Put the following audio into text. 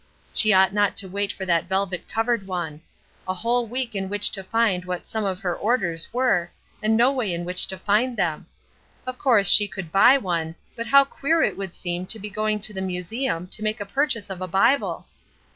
She ought not to wait for that velvet covered one. A whole week in which to find what some of her orders were, and no way in which to find them. Of course she could buy one, but how queer it would seem to be going to the museum to make a purchase of a Bible!